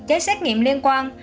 giấy xét nghiệm liên quan